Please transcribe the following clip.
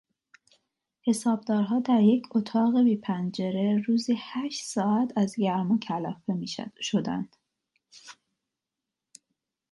حسابدارها در یک اتاق بی پنجره روزی هشت ساعت از گرما کلافه میشدند.